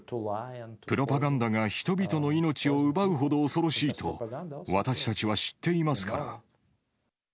プロパガンダが人々の命を奪うほど恐ろしいと、私たちは知っていますから。